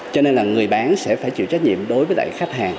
cho nên là người bán sẽ phải chịu trách nhiệm đối với lại khách hàng